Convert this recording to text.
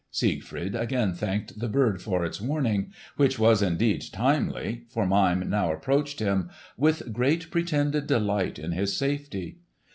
Siegfried again thanked the bird for its warning, which was indeed timely; for Mime now approached him with great pretended delight in his safety.